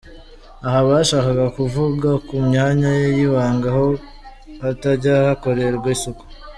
Aha bashakaga kuvuga ku myanya ye y’ibanga ko hatajya hakorerwa isuku !!!